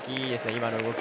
今の動き。